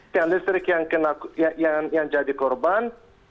tiang listrik yang jadi korban